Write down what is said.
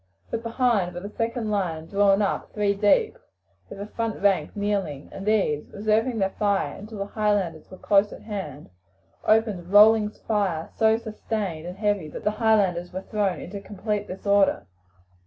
But behind were the second line drawn up three deep, with the front rank kneeling, and these, reserving their fire until the Highlanders were close at hand, opened a rolling fire so sustained and heavy that the Highlanders were thrown into complete disorder.